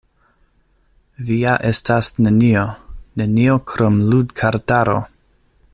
"Vi ja estas nenio, nenio krom ludkartaro!"